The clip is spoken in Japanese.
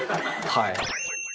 はい。